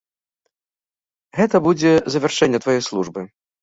Гэта будзе завяршэнне тваёй службы.